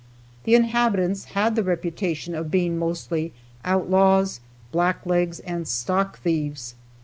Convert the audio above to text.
The inhabitants had the reputation of being mostly outlaws, blacklegs and stock thieves.